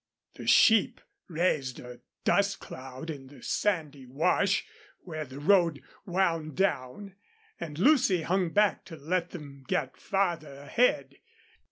The sheep raised a dust cloud in the sandy wash where the road wound down, and Lucy hung back to let them get farther ahead.